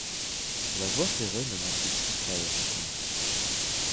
La voie ferrée ne montre ici pas d'avantage.